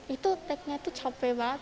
itu take nya tuh capek banget